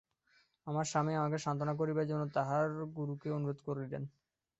আমার স্বামী আমাকে সান্ত্বনা করিবার জন্য তাঁহার গুরুকে অনুরোধ করিলেন।